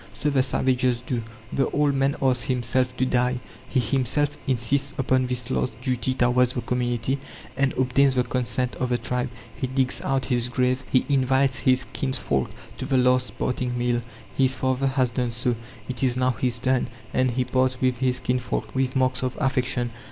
So the savages do. The old man asks himself to die; he himself insists upon this last duty towards the community, and obtains the consent of the tribe; he digs out his grave; he invites his kinsfolk to the last parting meal. His father has done so, it is now his turn; and he parts with his kinsfolk with marks of affection.